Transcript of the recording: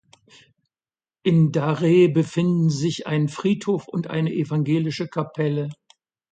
In Dare befinden sich ein Friedhof und eine evangelischer Kapelle.